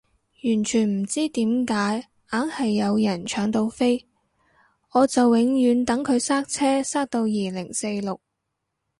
完全唔知點解硬係有人搶到飛，我就永遠等佢塞車塞到二零四六